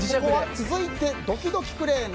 続いて、ドキドキクレーン。